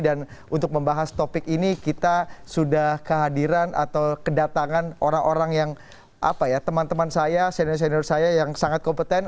dan untuk membahas topik ini kita sudah kehadiran atau kedatangan orang orang yang apa ya teman teman saya senior senior saya yang sangat kompeten